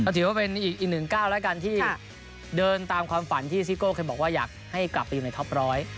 ถือว่าเป็นอีกหนึ่งก้าวแล้วกันที่เดินตามความฝันที่ซิโก้เคยบอกว่าอยากให้กลับไปอยู่ในท็อปร้อย